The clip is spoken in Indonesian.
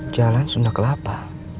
jalan sunda kelapa